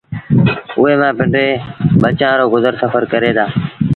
اُئي مآݩ پنڊري ٻچآݩ رو گزر سڦر ڪريݩ دآ